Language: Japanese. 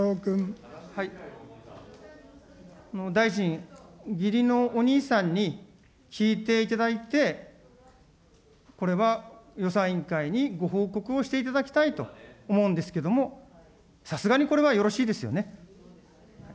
大臣、義理のお兄さんに聞いていただいて、これは予算委員会にご報告をしていただきたいと思うんですけれども、さすがにこれはよろしいですよね。